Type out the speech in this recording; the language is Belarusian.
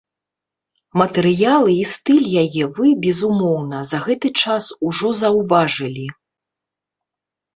Матэрыялы і стыль яе вы, безумоўна, за гэты час ужо заўважылі.